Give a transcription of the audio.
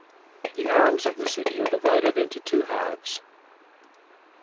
The arms of the city are divided into two halves.